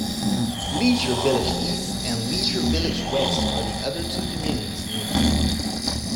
Leisure Village East, and Leisure Village West are the other two communities nearby.